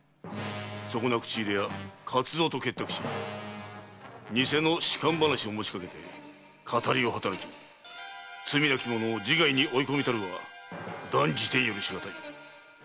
そこな口入れ屋・勝蔵と結託し偽の仕官話を持ちかけ騙りを働き罪なき者を自害に追い込みたるは断じて許しがたい。